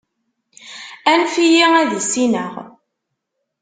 Anef-iyi ad issineɣ.